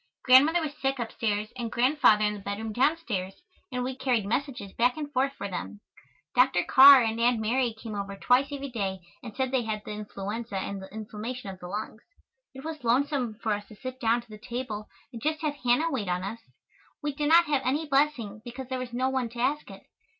Grandmother was sick upstairs and Grandfather in the bedroom downstairs, and we carried messages back and forth for them. Dr. Carr and Aunt Mary came over twice every day and said they had the influenza and the inflammation of the lungs. It was lonesome for us to sit down to the table and just have Hannah wait on us. We did not have any blessing because there was no one to ask it.